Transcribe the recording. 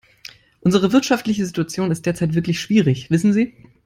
Unsere wirtschaftliche Situation ist derzeit wirklich schwierig, wissen Sie.